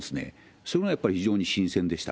それはやっぱり非常に新鮮でした。